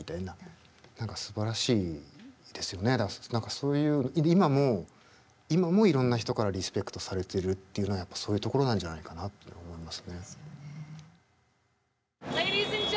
そういう今もいろんな人からリスペクトされてるっていうのはやっぱそういうところなんじゃないかなって思いますね。